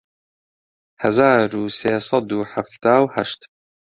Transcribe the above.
هەزار و سێ سەد و حەفتا و هەشت